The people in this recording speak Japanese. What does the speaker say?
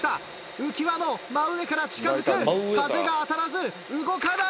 浮き輪の真上から近づく風が当たらず動かない！